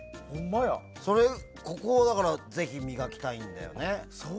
ここをぜひ磨きたいんだよね。